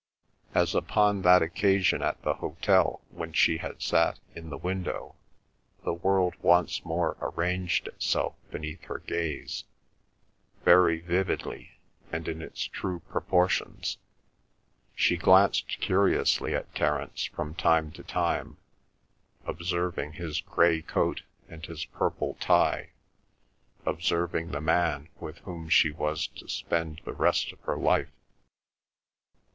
As upon that occasion at the hotel when she had sat in the window, the world once more arranged itself beneath her gaze very vividly and in its true proportions. She glanced curiously at Terence from time to time, observing his grey coat and his purple tie; observing the man with whom she was to spend the rest of her life.